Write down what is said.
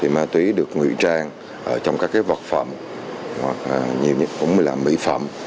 ma túy được ngụy trang trong các vật phẩm nhiều nhất cũng là mỹ phẩm